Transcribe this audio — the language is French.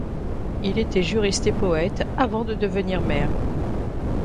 Il était juriste et poète avant de devenir maire.